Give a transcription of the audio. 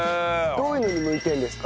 どういうのに向いてるんですか？